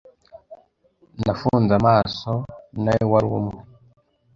Nafunze amaso, nawe wari umwe,